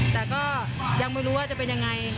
แต่ก็ยังไม่รู้ว่าจะเป็นยังไง